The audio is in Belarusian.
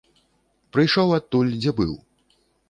Прыйшоў адтуль, дзе быў.